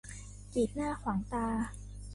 กีดหน้าขวางตา